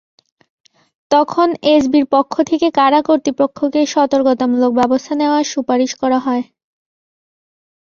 তখন এসবির পক্ষ থেকে কারা কর্তৃপক্ষকে সতর্কতামূলক ব্যবস্থা নেওয়ার সুপারিশ করা হয়।